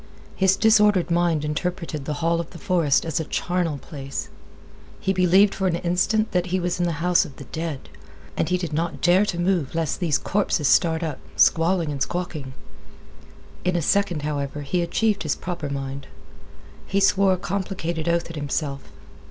His disordered mind interpreted the hall of the forest as a charnel place. He believed for an instant that he was in the house of the dead, and he did not dare to move lest these corpses start up, squalling and squawking. In a second, however, he achieved his proper mind. He swore a complicated oath at himself.